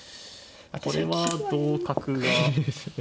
これは同角が。